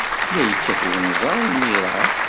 La yekkat unẓar imir-a?